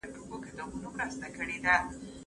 سوسياليستي افکار ګټور نه دي.